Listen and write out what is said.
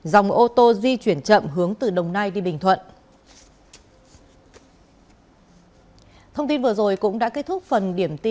dòng ô tô di chuyển chậm hướng từ đồng nai đi bình thuận